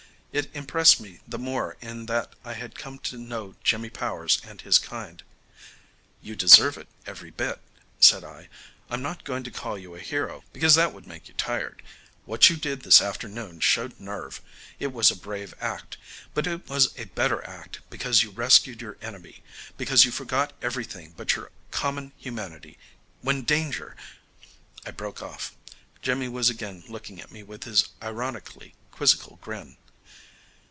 It impressed me the more in that I had come to know Jimmy Powers and his kind. "You deserve it, every bit," said I. "I'm not going to call you a hero, because that would make you tired. What you did this afternoon showed nerve. It was a brave act. But it was a better act because you rescued your enemy, because you forgot everything but your common humanity when danger " I broke off. Jimmy was again looking at me with his ironically quizzical grin.